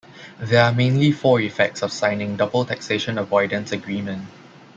There are mainly four effects of signing Double Taxation Avoidance agreement.